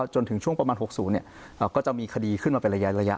จนถึงช่วงประมาณ๖๐ก็จะมีคดีขึ้นมาเป็นระยะ